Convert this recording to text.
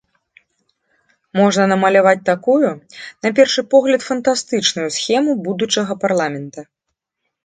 Можна намаляваць такую, на першы погляд, фантастычную схему будучага парламента.